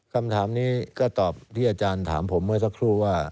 คำถามนี้ก็ตอบที่อาจารย์ถามผมเมื่อสักครู่ว่า